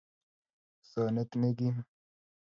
Usonet nekim